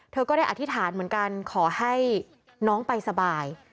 ก็ได้อธิษฐานเหมือนกันขอให้น้องไปสบาย